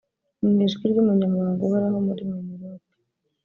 Mu ijwi ry’Umunyamabanga uhoraho muri Minaloc